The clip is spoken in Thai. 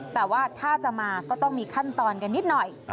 แต่ว่าถ้าจะมาก็ต้องมีขั้นตอนกันนิดหน่อย